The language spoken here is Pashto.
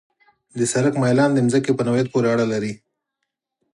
د سړک میلان د ځمکې په نوعیت پورې اړه لري